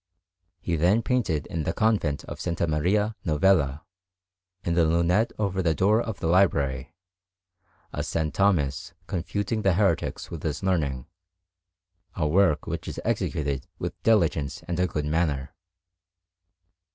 He then painted in the Convent of S. Maria Novella, in the lunette over the door of the library, a S. Thomas confuting the heretics with his learning, a work which is executed with diligence and a good manner.